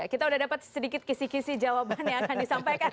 kita sudah dapat sedikit kisi kisih jawaban yang akan disampaikan